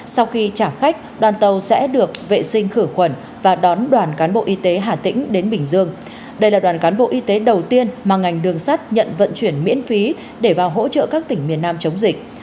sau khi trả khách đoàn tàu sẽ được vệ sinh khử khuẩn và đón đoàn cán bộ y tế hà tĩnh đến bình dương đây là đoàn cán bộ y tế đầu tiên mà ngành đường sắt nhận vận chuyển miễn phí để vào hỗ trợ các tỉnh miền nam chống dịch